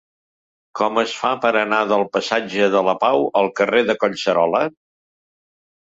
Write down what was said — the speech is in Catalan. Com es fa per anar del passatge de la Pau al carrer de Collserola?